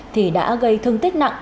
thì đã gây thương tích nặng